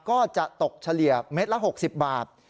ก็จะตกเฉลี่ยเม็ดละ๖๐บาท